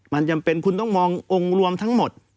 มันจำเป็นคุณต้องมององค์รวมทั้งหมด